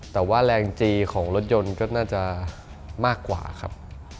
แต่ว่าแรงจีของรถยนต์ก็น่าจะมากกว่าครับ